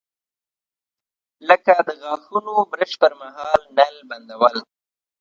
لکه د غاښونو برش پر مهال نل بندول.